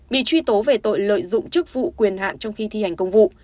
bị truy tố về tội lợi dụng chức vụ quyền hạn trong khi thi hành công vụ